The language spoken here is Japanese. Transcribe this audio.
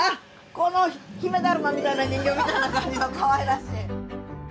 この姫だるまみたいな人形みたいな感じのかわいらしい。